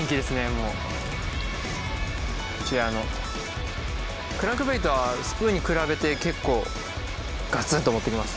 もうクランクベイトはスプーンに比べて結構ガツンともっていきます